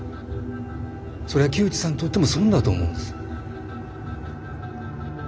それは木内さんにとっても損だと思うんです。